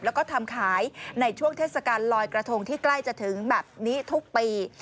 แล้วก็ทำขายในช่วงเทศกาลลอยกระทงที่ใกล้จะถึงแบบนี้ทุกปี